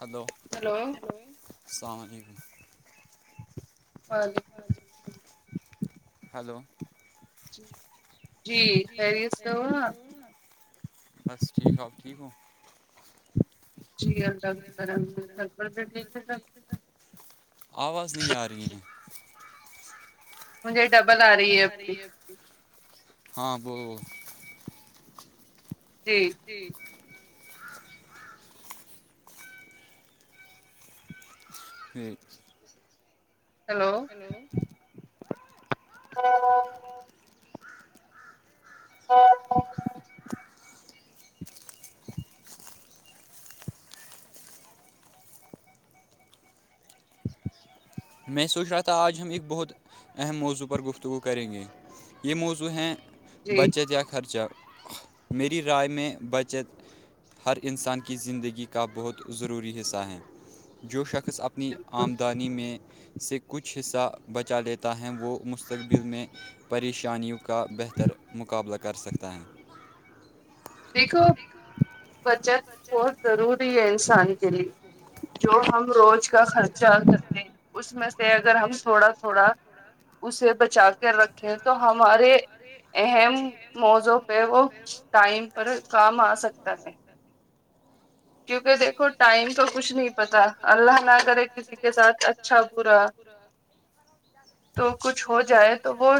hello السلام علیکم ہاں ہلو جی خیریتو بس ٹھیک آپ ٹھیک ہووں جی اللہ پرل بھی ٹھیک ہے سر آواز نہیں آ رہی مجھے ڈبل آ رہی ہے اپنی ہاں وہ جی جی ایک ہیلو ہوں [inaudible] میں سوچ رہا تھا آج ہم ایک بہت اہم موضوع پر گفتگو کریں گے یہ موضوع ہیں بچت یا خرچہ میری رائے میں بچت ہر انسان کی زندگی کا بہت ضروری حصہ ہیں جو شخص اپنی آمدانی میں سے کچھ حصہ بچا لیتا ہے وہ مستقبل میں پریشانیوں کا بہتر مقابلہ کر سکتا ہے دیکھو بچت بہت ضروری ہے انسان کے لیے جو ہم روز کا خرچہ کرتے اس میں سے اگر ہم تھوڑا تھوڑا اسے لی تو جا کے الگ ہے تو ہمارے اہم موضوع پہ وہ ٹائم پر کام آ سکتا ہے کیونکہ دیکھو ٹائم کا کچھ نہیں پتا اللہ نہ کرے کسی کے ساتھ اچھا برا تو کچھ ہو جائے تو وہ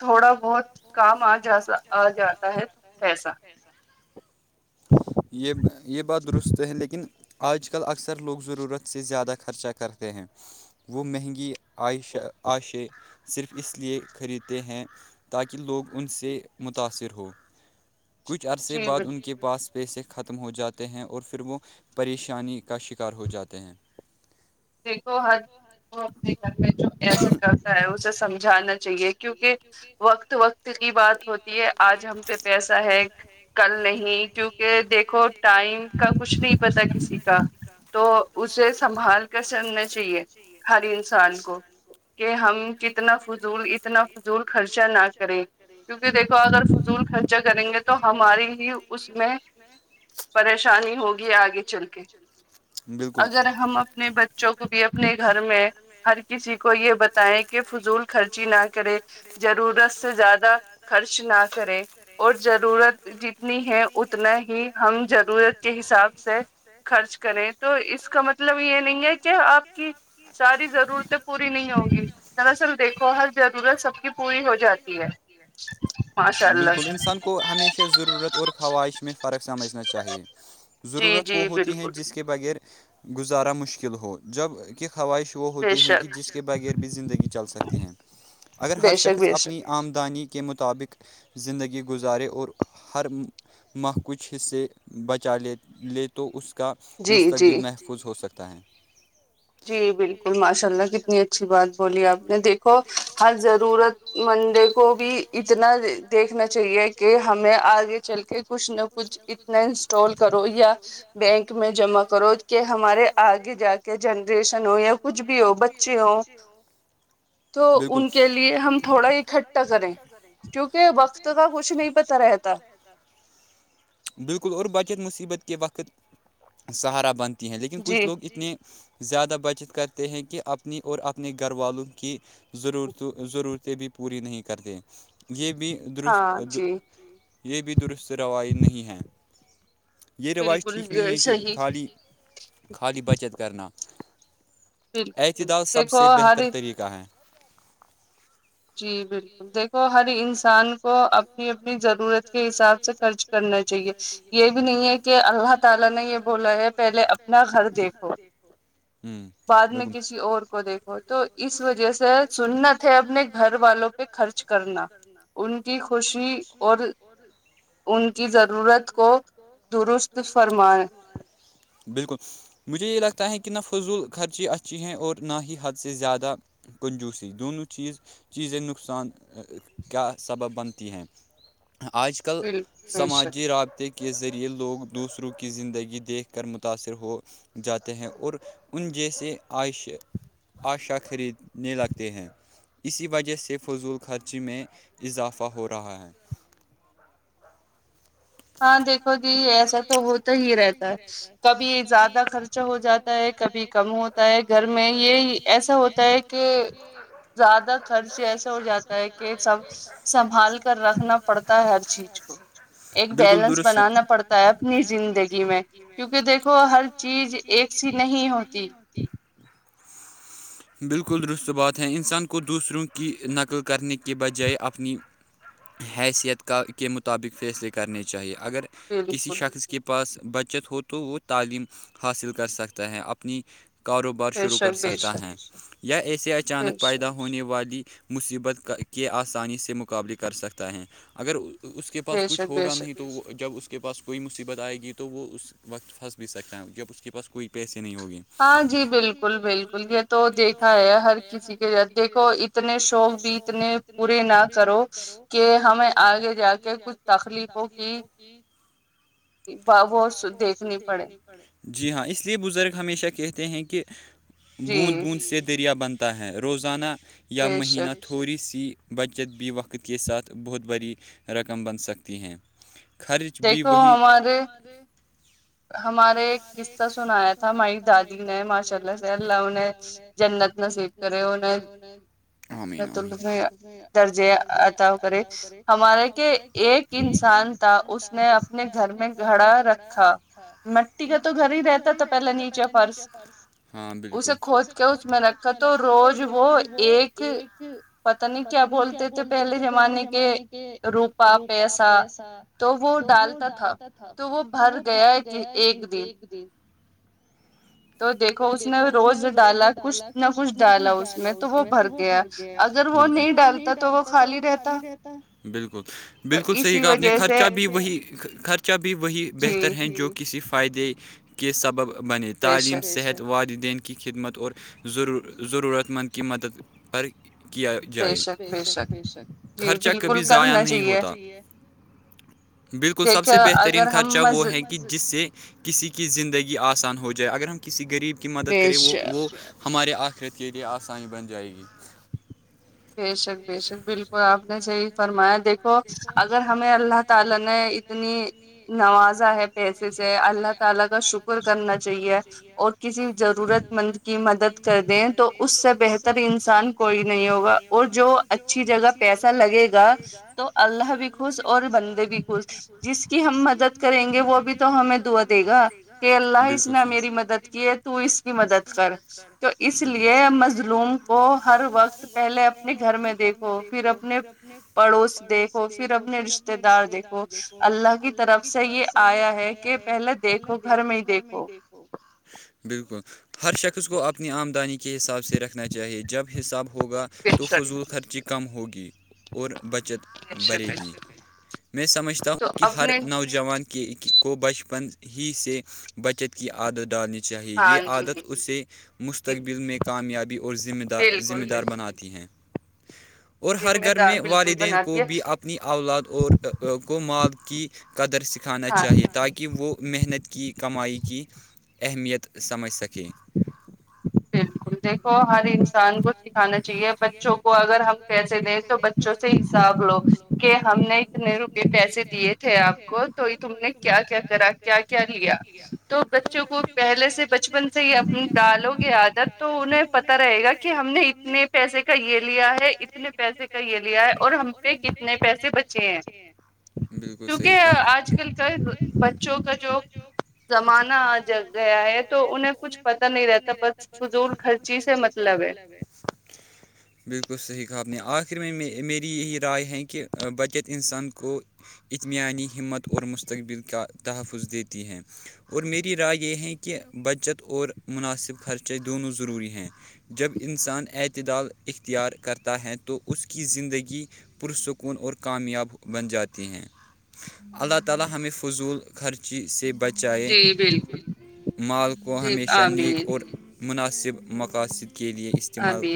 تھوڑا بہت کام آ جا آ جاتا ہے پیسہ یہ یہ بات درست ہے لیکن آج کل اکثر لوگ ضرورت سے زیادہ خرچہ کرتے ہیں وہ مہنگی عش عائشے صرف اس لیے خریدتے ہیں تاکہ لوگ ان سے متاثر ہوں کچھ عرصے بعد ان کے پاس پیسے ختم ہو جاتے ہیں اور پھر وہ پریشانی کا شکار ہو جاتے ہیں دیکھو ہر وہ اپنے گھر میں ایسے کرتا ہے اسے سمجھانا چاہیے کیونکہ وقت وقت کی بات ہوتی آج ہم پہ پیسا ہے کل نہیں کیونکہ دیکھو ٹائم کا کچھ نہیں پتا کسی کا تو اسے سنبھال سمنا چاہیے ہر انسان کو کہ ہم کتنا فضول اتنا فضول خرچہ نہ کریں کیونکہ دیکھو اگر فضول خرچہ کریں گے تو ہماری ہی اس میں پریشانی ہوگی آگے چل کے اگر ہم اپنے بچوں کو بھی اپنے گھر میں ہر کسی کو یہ بتائیں کہ فضول خرچی نہ کرے ضرورت سے زیادہ خرچ نہ کریں اور ضرورت جتنی ہے اتنا ہی ہم ضرورت کے حساب سے خرچ کریں تو اس کا مطلب یہ نہیں کہ آپ کی ساری ضرورتیں پوری نہیں ہوگی دراصل دیکھو ہر ضرورت سب کی پوری ہو جاتی ہے بالکل انسان کو ہمیشہ ضرورت اور خواہش میں فرق سمجھنا چاہیے ضرورت وہ ہوتی ہے جس کی بغیر گزارا مشکل ہو جبک خواہش وہ ہوتی ہے کہ جس کے بغیر بھی زندگی چل سکتی ہے اگر ہر شخص اپنی آمدنی کے مطابق زندگی گزارے اور ہر کچھ حصے بچا لے لی تو اس کا مستقبل محفوظ ہو سکتا ہے جی بالکل کوئی ماشاء اللہ کتنی اچھی بات بولی آپ نے دیکھو ہر ضرورت مندے کو بھی اتنا دیکھنا چاہیے کہ ہمیں آگے چل کے کچھ نہ کچھ اتنا اسٹول کرو یا بینک میں جمع کرو کہ ہمارے آگے جا کے جن جریشن ہو یا کچھ بھی ہو بچے ہوں تو ان کے لیے ہم تھوڑا اکٹھا کریں کیونکہ وقت کا کچھ نہیں پتا رہتا کتا بالکل اور بچت مصیبت کے وقت سہارا بنتی ہیں لیکن کچھ لوگ اتنے زیادہ بچت کرتے ہیں کہ کہ اپنی اور اپنے گھر والوں کی ضرورت ضرورتیں بھی پوری نہیں کرتےیں یہ بھی دست یہ بھی درست روایی نہیں ہے یہ رواج ٹھیک نہیں ہے کہ خالی خالی بچت کرنا اعتداد سب سے بہتر طریقہ ہے جی بالکل دیکھو ہر انسان کب اپنی اپنی ضرورت کے حساب سے خرچ کرنا چاہیے یہ بھی نہیں ہے کہ اللہ تعالی نے یہ بولا ہے پہلے اپنا گھر دیکھو بعد میں کسی اور کو دیکھو تو اس وجہ سے سننا تھے اپنے گھر والوں پہ خرچ کرنا ان کی خوشی اور ان کی ضرورت کو درست فرمائیں بالکل مجھے یہ لگتا ہے کہ نہ فضول خرچی اچھی ہیں اور نہ ہی حد سے زیادہ کنجوسی دونوں چیز چیزیں نقصان کا سبب بنتی ہیں آج کل سماجی رابطے کے ذریعے لوگ دوسروں کی زندگی دیکھ کر متاثر ہو جاتے ہیں اور ان جیسے عائش آشا خریدنے لگتے ہیں اسی وجہ سے فضول خرچی میں اضافہ ہو رہا ہے ہاں دیکھ ج ایسا تو ہوتا ہی رہتا ہے کبھی زیادہ خرچہ ہو جاتا ہے کبھی کم ہوتا ہے ہوتا ہے گھر میں یہ ایسا ہوتا ہے کہ زیادہ ایسا ہو جاتا ہے کہ سب سنبھال کر رکھنا پڑتا ہے ہر چیز کو بالکل درست بنانا پڑتا ہے اپنی زندگی میں کیونکہ دیکھو ہر چیز ایک سی نہیں ہوتی بالکل درست بات ہے انسان کو دوسروں کی نقل کرنے کے بجائے اپنی حیثیت کا کے مطابق فیصلے کرنے چاہیے اگر کسی شخص کے پاس بچت ہو تو وہ تعلیم حاصل کر سکتا ہے اپنی کاروبار شروع کر سکتا ہیں یا ایسے اچانک پیدا ہو ہونے والی مصیبت کے آسانی سے مقابلے کر سکتا ہے اگر اس کے پاس کچھ ہوگا نہیں تو وہ جب اس کے کے پاس کوئی مصیبت آئے گی تو وہ اس وقت پھنس بھی سکتا ہے جب اس کے پاس کوئی پیسے نہیں ہوگے ہاں جی بالکل بالکل یہ تو دیکھا ہے ہر کسی کے دیکھو اتنے شوق بھی اتنے پورے نہ کرو کہ ہمیں آگے جا کے کچھ تخلیفوں کی وہ دیکھنی پڑے جی ہاں اس لیے بزرگ ہمیشہ کہتے ہیں کہ بوند بوند سے دریا بند ہے روزانہ یا مہینہ تھوڑی سی بچت بھی وقت کے ساتھ بہت بڑری رقم بن سکتی ہیں خرچ بھی وہی ہمارے ایک اسس کا سنایا تھا ہماری دادی نے ماشاء اللہ سے اللہہ نے جنت اتنا سییک کرے انہ نے امینین درجے عطا کرے ہمارا ایک انسان تھا اس نے اپنے گھر میں گھڑا رکھا تھا مٹی کا تو گھر ہی رہتا تو پہلے نیچے فرس ہاں بالکل اس کھود کے اس میں رکھا تو روز وہ ایک پت نہیں کیا بولتے تھے پہلے زمانے کے روپا پیسہ تو وہ ڈالتا تھا تو وہ بھر گیا کہ کہ ایک دن [inaudible] تو دیکھو اس نے روز ڈالا کچھ نہ کچھ ڈالا اس میں تو وہ بھر گیا گ اگر وہ نہیں ڈالتا تو وہ خالی رہتا بالکل بالکل بالکل صحیح کام نے خرچہ بھی وہی خرچہ بھی وہی بہتر ہے جو کسی فائدے کے سبب بنے تعلیم صحت والدین کے کی خدمت اور ضرورت مند کی مدد پر کیا جائے خرچہ کبھی ضائع نہیں ہوتا بالکل سب سے بہترین خرچہ وہ ہے کہ جس سے کسی کی زندگی آسان ہو جائے اگر ہم کسی غریب کی مدد کریں وہ وہ ہمارے آخرت کے لیے آسانی بن جائے گی [unintelligible] [unintelligible] کسی ضرورت مند کی مدد کر دیں تو اس سے بہتر انسان کوئی نہیں ہوگا اور جو تو اچھی جگہ پیسہ لگے گا تو اللہ بھی خوش اور بندے بھی خوش جس کی ہم مدد کریں گے وہ بھی تو ہمیں دعا دے گا کہ اللہ اس نے میری مدد کی ہے تو اس کی مدد کر تو اس لیے مظلوم کو ہر وقت پہلے اپنے گھر میں دیکھو پھر اپنے پڑوس دیکھو پھر اپنے رشتے دار دیکھو دیکھو اللہ کی طرف سے یہ آیا ہے کہ پہلے دیکھو گھر میں ہی دیکھو بالکل ہر شخص کو اپنی آمدنی کے حساب سے رکھنا چاہیے جب حساب ہو ہوگا تو فضول خرچی کم ہوگی اور بچت بھے گی میں سمجھتا ہوں کہ ہر ن [unintelligible] نوجوان کو بچپن ہی سے بچت کی عادت ڈالن چاہیئے یہ عادت اسے مستقبل میں کامیابی اور ذمہ دار ذمہ دار بناتی ہیں اور ہر گھر میں والدین کو بھی آپ اپنی اولاد اور کو مال کی قدر سکھانا چاہیے تاکہ کہ وہ محنت کی کمائی کی اہمیت سمجھ سکیں بالکل دیکھو ہر انسان کو سکھانا چاہیے بچوں کو اگر اگر ہم پیسے دیں تو بچوں سے حساب لو کہ ہم نے اتنے روپے پیسے دیے تھے آپ کو تو تم نے کیا کیا کرا کیا کیا لیا تو بچوں کو پہلے سے بچپن سے یہ ڈالو گی عادت تو انہیں پتا رہے گا کہ ہم نے اتنے پیسے کا یہ لیا ہے اتنے پیسے کا یہے لیا ہے اور ہم پہ کتنے پیسے بچے ہیں بالکل صحیح کہا کوکی آج کل کا بچوں کا جو زمانہ ا گیا ہے تو انہیں کچھ پتا نہیں رہتا بس فضور خرچی سے مطلب ہے بالکل صحیح کہا اپنی آخر میں میری یہی رائے ہے کہ بچت انسان کو اطمانی ہمت اور مستقبل کا تحفظ دیتی ہیں اور میری رائے یہ ہے کہ بچت اور مناسب خرچے دونوں ضروری ہیں جب انسان اعتدال اختیار کرتا ہے تو اس کی زندگی پرسکون اور کامیاب بن جاتی ہیں اللہ تلا ہمیں فضول خرچی سے بچائیں مال کو ہمیشہ نیک اور مناسب مقاصد کے لیے استعمال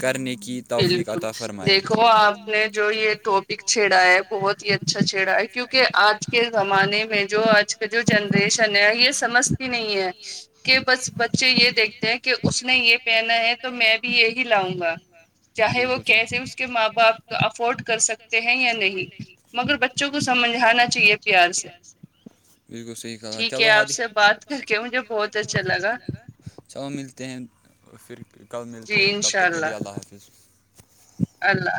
کرنے کی بالکل دیکھو آپ نے جو یہ ٹاپک چھیڑا ہے بہت ہی اچھا چھیڑا ہے کیونکہ آج کے زمانے میں جو آج کا جو جنریشن ہے یہ سمج نہیں ہے کہ بس بچے یہ دیکھتے ہیں کہ اس نے یہ پہنا ہے تو میں بھی بھی یہی لونگا ا [unintelligible] چاہے وہ کیسے اس کے ماں باپ افورڈ کر سکتے ہیں یا نہیں مگر بچوں کو سمجھانا چاہیے پیار سے بالک صحی کہا چل ہ آپسے بات کر کے مجھے بہت اچھا لگا چلو ملتے ہیں پھر کل ملتے ہیں تب تک اللہ